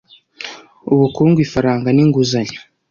ubukungu ifaranga n’inguzanyo